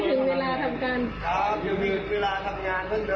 ตอนนั้นมันละว่าเนี่ย